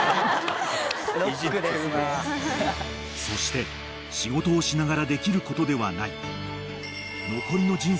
［そして仕事をしながらできることではない］